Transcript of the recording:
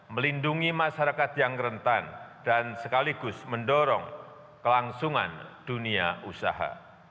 melindungi masyarakat yang rentan dan sekaligus mendorong kelangsungan dunia usaha